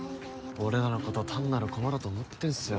俺らのこと単なる駒だと思ってんすよ